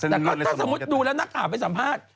แต่เค้าสมมุติดูแรกคอบแบบนั้นแล้วไปสัมภาษณ์